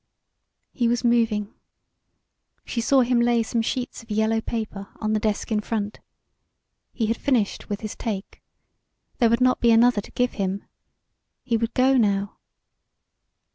He was moving. She saw him lay some sheets of yellow paper on the desk in front. He had finished with his "take." There would not be another to give him. He would go now.